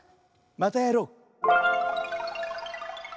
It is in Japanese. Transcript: またやろう！